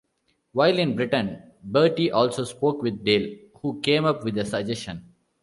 While in Britain, Bertie also spoke with Dale, who came up with a suggestion.